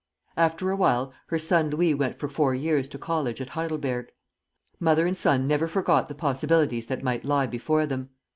After a while her son Louis went for four years to college at Heidelberg. Mother and son never forget the possibilities that might lie before them.